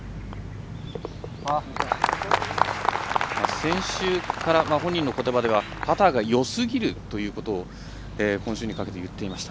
先週から、本人のことばではパターがよすぎるということを今週にかけて言っていました。